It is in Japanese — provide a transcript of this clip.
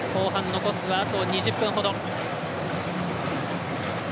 後半残すはあと２０分ほど。